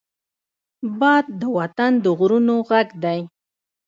باد د وطن د غرونو غږ دی